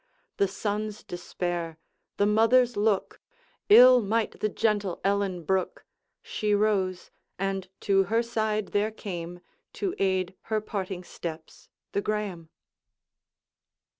The son's despair, the mother's look, III might the gentle Ellen brook; She rose, and to her side there came, To aid her parting steps, the Graeme.